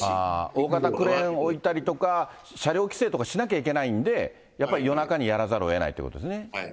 大型クレーンを置いたりとか、車両規制とかしなきゃいけないんで、やっぱり夜中にやらざるをえないってことですね。